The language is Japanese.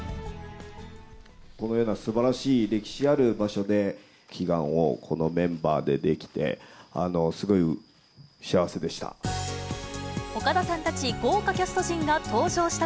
このようなすばらしい歴史ある場所で、祈願をこのメンバーでできて、すごい幸せでした。